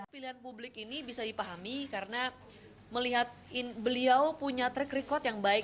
pilihan publik ini bisa dipahami karena melihat beliau punya track record yang baik